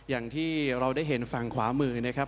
อย่างที่เราได้เห็นฝั่งขวามือนะครับ